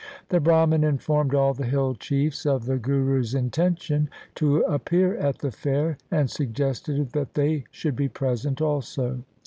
The Brahman informed all the hill chiefs of the Guru's intention to appear at the fair, and suggested that they should be present also.